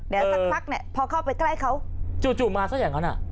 เดี๋ยวสักพักเนี่ยพอเข้าไปใกล้เขาจู่มาซะอย่างนั้นอ่ะ